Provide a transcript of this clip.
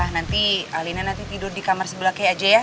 nanti alina tidur di kamar sebelah kay aja ya